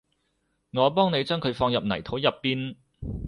我幫你將佢放入泥土入邊